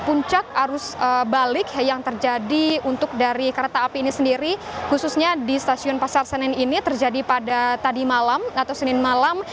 puncak arus balik yang terjadi untuk dari kereta api ini sendiri khususnya di stasiun pasar senen ini terjadi pada tadi malam atau senin malam